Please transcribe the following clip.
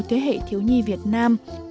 thế hệ thiếu nhi việt nam